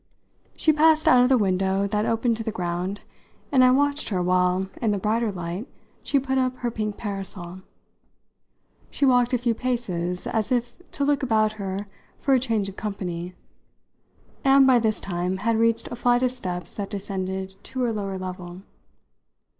She passed out of the window that opened to the ground, and I watched her while, in the brighter light, she put up her pink parasol. She walked a few paces, as if to look about her for a change of company, and by this time had reached a flight of steps that descended to a lower level.